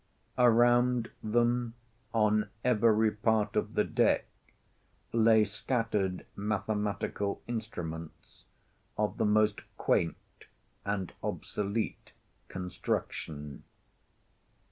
Around them, on every part of the deck, lay scattered mathematical instruments of the most quaint and obsolete construction.